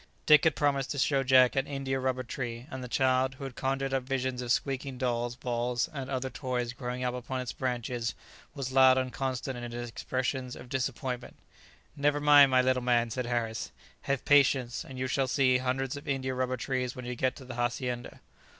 Dick had promised to show Jack an India rubber tree, and the child, who had conjured up visions of squeaking dolls, balls, and other toys growing upon its branches, was loud and constant in his expressions of disappointment. "Never mind, my little man," said Harris; "have patience, and you shall see hundreds of India rubber trees when you get to the hacienda."